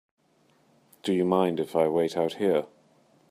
Do you mind if I wait out here?